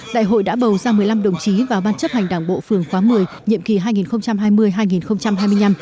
đại hội đã bầu ra một mươi năm đồng chí vào ban chấp hành đảng bộ phường khóa một mươi nhiệm kỳ hai nghìn hai mươi hai nghìn hai mươi năm